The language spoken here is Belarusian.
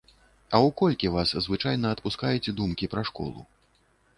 А ў колькі вас звычайна адпускаюць думкі пра школу?